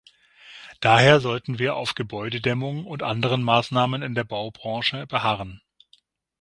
Daher sollten wir auf Gebäudedämmung und anderen Maßnahmen in der Baubranche beharren.